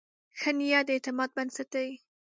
ښه نیت د اعتماد بنسټ دی.